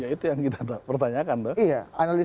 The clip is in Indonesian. ya itu yang kita pertanyakan tuh